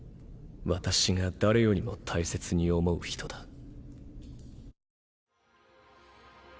私が誰よりも大切に思う人だ。